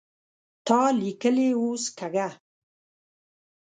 تا ليکلې اوس کږه